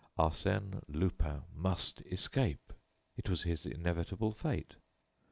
Arsène Lupin must escape. It was his inevitable fate.